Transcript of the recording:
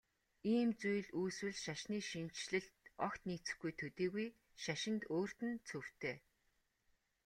Ийм зүйл үүсвэл шашны шинэчлэлд огт нийцэхгүй төдийгүй шашинд өөрт нь цөвтэй.